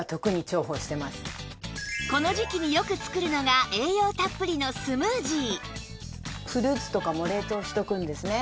この時期によく作るのが栄養たっぷりのスムージー